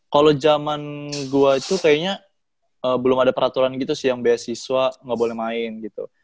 kalau zaman gue itu kayaknya belum ada peraturan gitu sih yang beasiswa nggak boleh main gitu